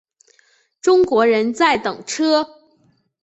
中国人在等车